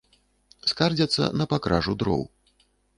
Скардзяцца на пакражу дроў.